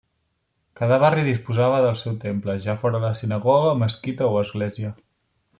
Cada barri disposava del seu temple, ja fora sinagoga, mesquita o església.